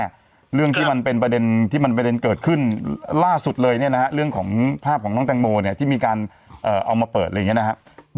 เรื่องที่มันเป็นประเด็นที่มันประเด็นเกิดขึ้นล่าสุดเลยเนี่ยนะฮะเรื่องของภาพของน้องแตงโมเนี่ยที่มีการเอามาเปิดอะไรอย่างนี้นะครับ